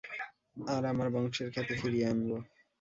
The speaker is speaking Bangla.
আর আমার বংশের খ্যাতি ফিরিয়ে আনবো।